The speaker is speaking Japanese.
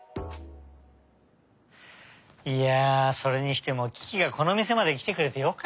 いやあそれにしてもキキがこのみせまできてくれてよかったよ。